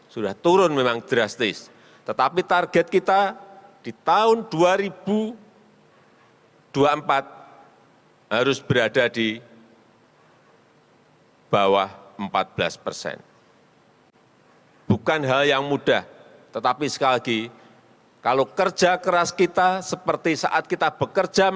sehingga perlu saya ingatkan kepada kepala daerah